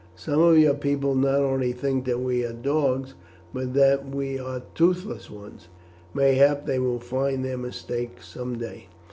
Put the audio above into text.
"Some of your people not only think that we are dogs, but that we are toothless ones. Mayhap they will find their mistake some day."